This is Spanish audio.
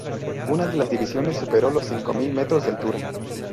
Una de las divisiones superó los cinco mil metros de altura.